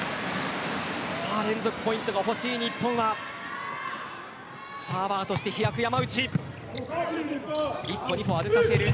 連続ポイントが欲しい日本はサーバーとして飛躍の山内。